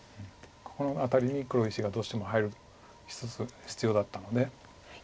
ここのアタリに黒石がどうしても入る必要だったので。